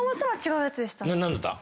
何だった？